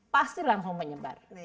pasti langsung menyebar